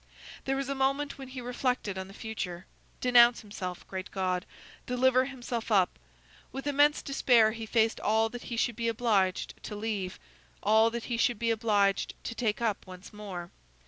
There was a moment when he reflected on the future. Denounce himself, great God! Deliver himself up! With immense despair he faced all that he should be obliged to leave, all that he should be obliged to take up once more.